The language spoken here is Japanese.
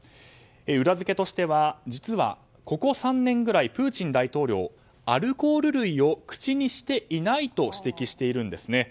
裏付けとしては実は、ここ３年ぐらいプーチン大統領アルコール類を口にしていないと指摘しているんですね。